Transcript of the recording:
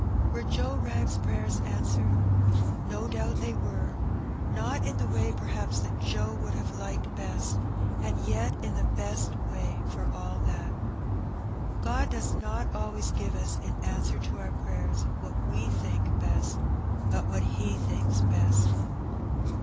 Were Joe Wrag^s prayers answered? No doubt they were. Not in the way, perhaps, that Joe would have liked best, and yet in the best way for all that. God does not always give us in answer to our prayers what we think best, but what He thinks best.